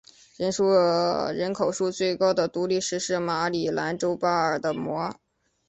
人口数最高的独立市是马里兰州巴尔的摩。